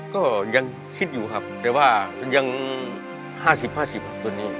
ก็ยังคิดอยู่ครับแต่ว่ายังห้าสิบห้าสิบตัวนี้